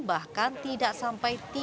bahkan tidak sampai tiga persen